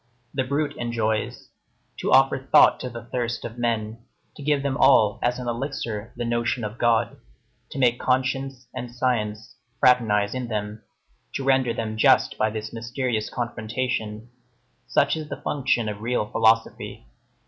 The brute enjoys. To offer thought to the thirst of men, to give them all as an elixir the notion of God, to make conscience and science fraternize in them, to render them just by this mysterious confrontation; such is the function of real philosophy.